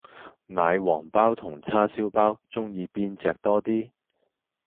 奶黃飽同叉燒飽鍾意邊隻多 D